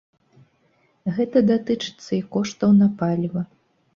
Гэта датычыцца і коштаў на паліва.